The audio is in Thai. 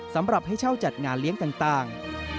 สำหรับให้เช่าจัดงานเลี้ยงต่าง